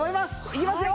いきますよ。